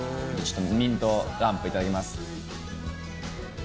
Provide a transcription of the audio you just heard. ミントラムいただきます。